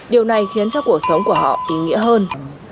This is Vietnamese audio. điều này khiến cho cuộc sống của họ ý nghĩa hơn